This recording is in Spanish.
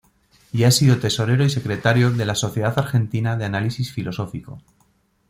Y ha sido Tesorero y Secretario de la Sociedad Argentina de Análisis Filosófico.